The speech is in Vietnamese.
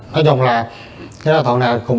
nói chung là thổ này cũng